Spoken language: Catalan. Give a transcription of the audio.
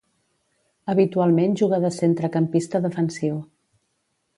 Habitualment juga de centrecampista defensiu.